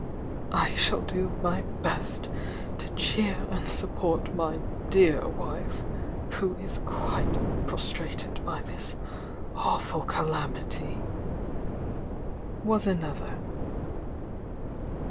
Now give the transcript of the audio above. "I shall do my best to cheer and support my dear wife, who la quite prostrated by this awful calamity," was an other.